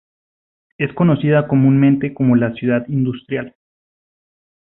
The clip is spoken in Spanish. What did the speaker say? Es conocida comúnmente como la "Ciudad Industrial".